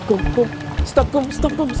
tukang rebut suami orang jalan